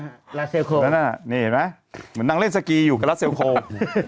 ลาราเซลโคลนั่นนะเห็นไหมเหมือนนางเล่นสกีอยู่กับลาราเซลโคล